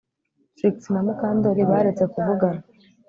Trix na Mukandoli baretse kuvugana